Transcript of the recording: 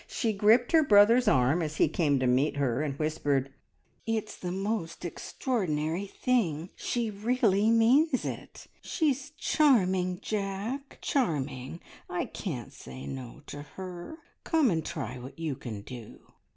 She gripped her brother's arm as he came to meet her, and whispered, "It's the most extraordinary thing she really means it! She is charming, Jack, charming; I can't say `No' to her. Come and try what you can do!"